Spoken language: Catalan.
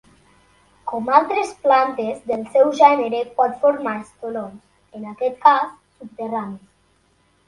Com altres plantes del seu gènere, pot formar estolons, en aquest cas subterranis.